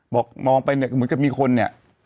บอกมองไปเนี่ยเหมือนกับมีคนเนี่ย